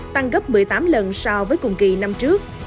tăng gấp một mươi tám lần so với cùng kỳ năm trước